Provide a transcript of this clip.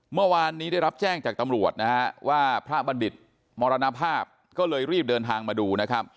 เมื่อวานนี้ได้รับแจ้งจากตำรวจว่าพระบรรดิษฐ์มรณภาพก็เลยรีบเดินทางมาดู